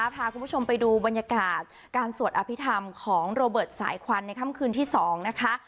พาคุณผู้ชมไปดูบรรยากาศการสวดอภิษฐรรมของโรเบิร์ตสายควันในค่ำคืนที่๒นะคะ